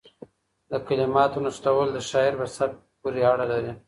د کلماتو نښلول د شاعر په سبک پورې اړه لري.